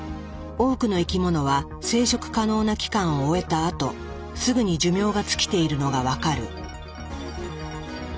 多くの生き物は生殖可能な期間を終えたあとすぐに寿命が尽きているのが分かる。